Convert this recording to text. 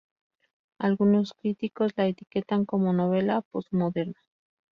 Algunos críticos la etiquetan como "novela-postmoderna".